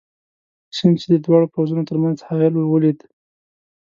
سیند، چې د دواړو پوځونو تر منځ حایل وو، ولید.